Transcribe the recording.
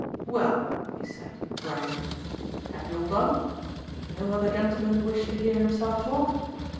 "Well," he said, rising, "have you all done? No other gentleman wish to hear himself talk?...